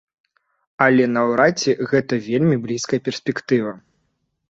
Але наўрад ці гэта вельмі блізкая перспектыва.